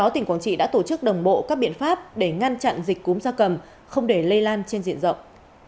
tỉnh quảng trị đã tổ chức đồng bộ các biện pháp để ngăn chặn dịch cúm gia cầm không để lây lan trên diện rộng